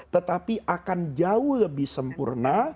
tetapi akan jauh lebih sempurna